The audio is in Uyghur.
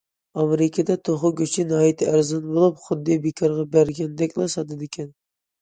ئامېرىكىدا توخۇ گۆشى ناھايىتى ئەرزان بولۇپ، خۇددى بىكارغا بەرگەندەكلا ساتىدىكەن.